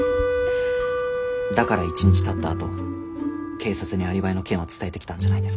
だから一日たったあと警察にアリバイの件を伝えてきたんじゃないですか？